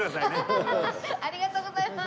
ありがとうございます。